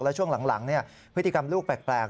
แล้วช่วงหลังพฤติกรรมลูกแปลก